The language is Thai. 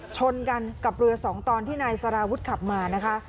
ชนกันกับเรือสองตอนที่นายสารวุฒิขับมานะคะ